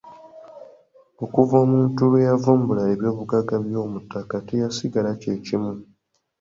Okuva omuntu lwe yavumbula ebyobugagga eby'omuttaka teyasigala kye kimu.